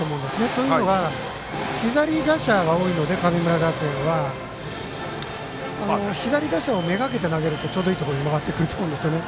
というのは左打者が多いので神村学園は。左打者をめがけて投げるとちょうどいいところに曲がってくると思うんですよね。